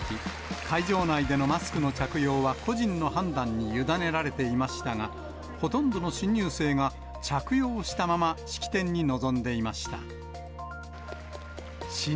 会場内でのマスクの着用は個人の判断に委ねられていましたが、ほとんどの新入生が着用したまま式典に臨んでいました。